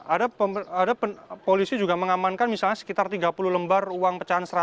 ada polisi juga mengamankan misalnya sekitar tiga puluh lembar uang pecahan seratus